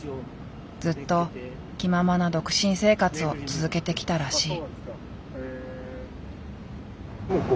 ずっと気ままな独身生活を続けてきたらしい。